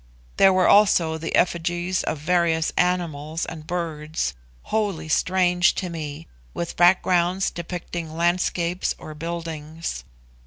There were also the effigies of various animals and birds, wholly strange to me, with backgrounds depicting landscapes or buildings.